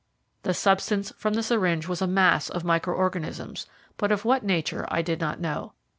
The substance from the syringe was a mass of micro organisms, but of what nature I did not know.